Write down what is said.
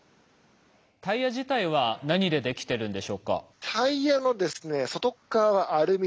タイヤ自体は何でできてるんでしょうか？